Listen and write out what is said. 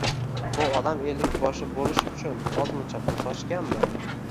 Bu odam ellikboshi bo‘lish uchun ozmuncha pul sochganmi